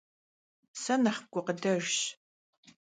Se nexh gukhıdejjş.